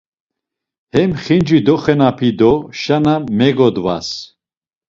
Hem xinci doxenapi do şana megodvas.